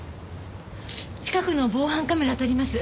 近くの防犯カメラあたります。